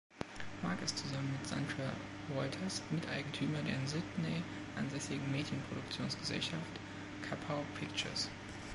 Mark ist zusammen mit Sandra Walters Miteigentümer der in Sydney ansässigen Medienproduktionsgesellschaft Kapow Pictures.